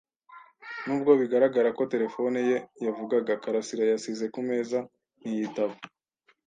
Nubwo bigaragara ko terefone ye yavugaga, karasira yasize ku meza ntiyitaba.